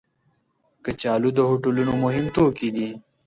کچالو د هوټلونو مهم توکي دي